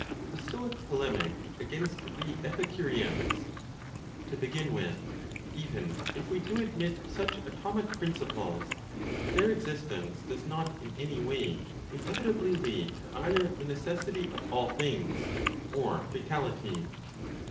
THE STOIC POLEMIC AGAINST THE EPICUREANS. To begin with, even if we do admit such atomic principles, their existence does not in any way inevitably lead to either the necessity of all things, or fatality.